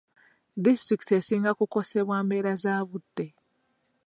Disitulikiti esinga kukosebwa mbeera za budde.